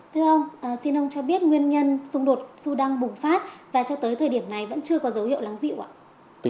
thưa ông xin ông cho biết nguyên nhân xung đột sudan bùng phát và cho tới thời điểm này vẫn chưa có dấu hiệu lắng dịu ạ